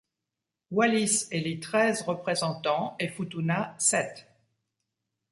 Wallis élit treize représentants, et Futuna, sept.